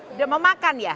udah mau makan ya